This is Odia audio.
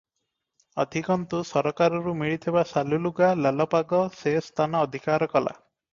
ଅଧିକନ୍ତୁ ସରକାରରୁ ମିଳିଥିବା ଶାଲୁ ଲୁଗା ଲାଲପାଗ ସେ ସ୍ଥାନ ଅଧିକାର କଲା ।